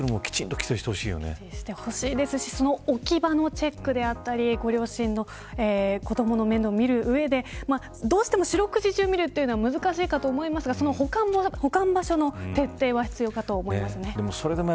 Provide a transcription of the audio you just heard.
海外から入ってくるものも規制してほしいですし置き場のチェックだったり子どもの面倒を見る上でどうしても四六時中見るのは難しいと思いますが保管場所の徹底は必要かと思いますね。